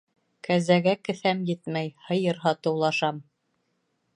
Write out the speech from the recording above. Кәзәгә кеҫәм етмәй, һыйыр һатыулашам.